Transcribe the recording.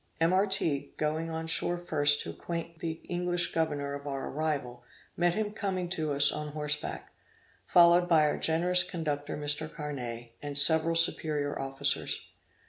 M. Artigue going on shore first to acquaint the English governor of our arrival, met him coming to us on horseback, followed by our generous conductor Mr. Carnet, and several superior officers.